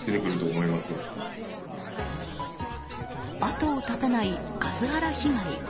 後を絶たないカスハラ被害。